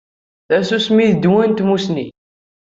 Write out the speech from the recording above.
Tasusmi d ddwa n tmussni